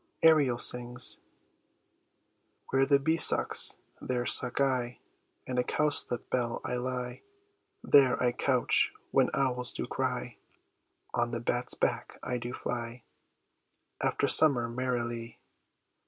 Ariel Sings, Where the bee sucks, there suck I: In a cowslip's bell I lie; There I couch when owls do cry. On the bat's back I do fly After summer merrily.